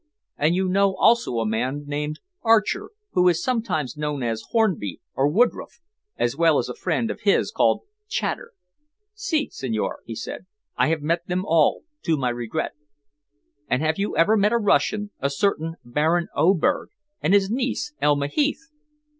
"And you know also a man named Archer who is sometimes known as Hornby, or Woodroffe as well as a friend of his called Chater." "Si, signore," he said. "I have met them all to my regret." "And have you ever met a Russian a certain Baron Oberg and his niece, Elma Heath?"